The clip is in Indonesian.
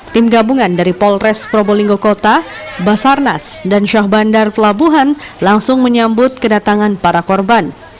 tim gabungan dari polres probolinggo kota basarnas dan syah bandar pelabuhan langsung menyambut kedatangan para korban